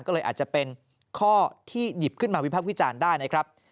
ก็เลยอาจจะเป็นข้อที่หยิบขึ้นมาวิพักษ์วิจารณ์ได้นะครับ